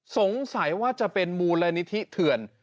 สงสัยว่าจะเป็นมูลนิธิเถื่อน